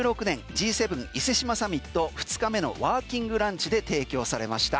Ｇ７伊勢志摩サミットのワーキングランチで提供されました。